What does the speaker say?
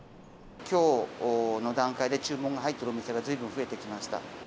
きょうの段階で注文が入っているお店がずいぶん増えてきまし